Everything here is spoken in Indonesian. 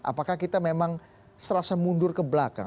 apakah kita memang serasa mundur ke belakang